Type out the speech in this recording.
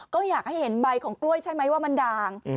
ก็อยากให้เห็นใบของกล้วยใช่ไหมว่ามันด่าง